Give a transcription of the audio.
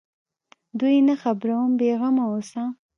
دوى نه خبروم بې غمه اوسه.